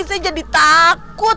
saya jadi takut